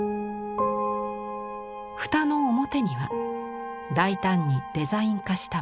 蓋の表には大胆にデザイン化した松。